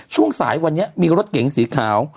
ช่วงสายวันนี้มีรถเก๋งสีขาว